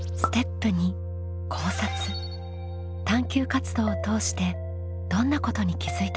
探究活動を通してどんなことに気づいたのか。